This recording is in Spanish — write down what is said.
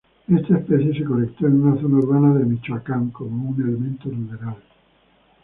Esta especie se colectó en una zona urbana de Michoacán como un elemento ruderal.